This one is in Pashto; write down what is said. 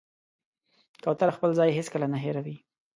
کوتره خپل ځای هېڅکله نه هېروي.